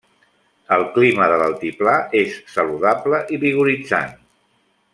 El clima de l'altiplà és saludable i vigoritzant.